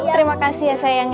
terima kasih ya sayang ya